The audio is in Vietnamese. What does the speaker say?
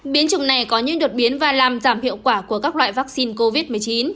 biến chủng này có những đột biến và làm giảm hiệu quả của các loại vaccine covid một mươi chín